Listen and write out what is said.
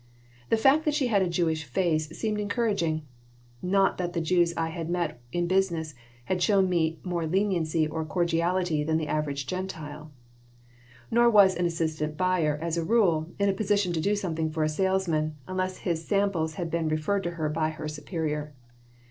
The fact that she had a Jewish face seemed encouraging. Not that the Jews I had met in business had shown me more leniency or cordiality than the average Gentile. Nor was an assistant buyer, as a rule, in a position to do something for a salesman unless his samples had been referred to her by her superior.